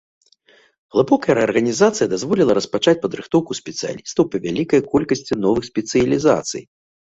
Глыбокая рэарганізацыя дазволіла распачаць падрыхтоўку спецыялістаў па вялікай колькасці новых спецыялізацый.